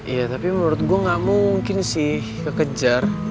iya tapi menurut gue gak mungkin sih kekejar